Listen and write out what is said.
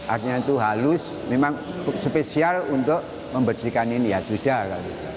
artinya itu halus memang spesial untuk membersihkan ini ya sudah kali